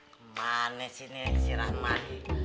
kemana sih ini si ramadi